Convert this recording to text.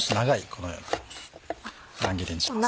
このように乱切りにします。